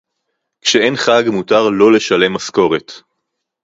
כשאין חג מותר לא לשלם משכורת